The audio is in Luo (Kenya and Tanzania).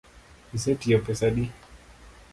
Isetiyo pesa adi?